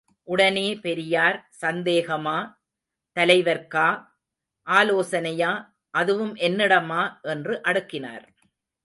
உடனே பெரியார், சந்தேகமா — தலைவர்க்கா? ஆலோசனையா — அதுவும் என்னிடமா? —என்று அடுக்கினார்.